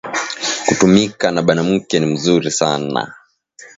Kutumika na banamuke ni muzuri sana